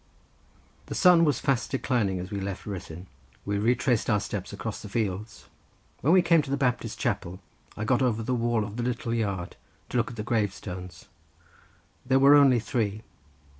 The sun was fast declining as we left Ruthyn. We retraced our steps across the fields. When we came to the Baptist chapel I got over the wall of the little yard to look at the gravestones. There were only three.